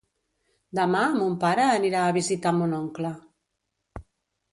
Demà mon pare anirà a visitar mon oncle.